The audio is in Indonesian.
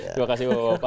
terima kasih bapak bapak